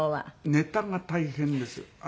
ネタが大変です。